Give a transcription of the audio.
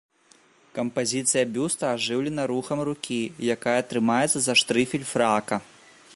Кампазіцыя бюста ажыўлена рухам рукі, якая трымаецца за штрыфель фрака.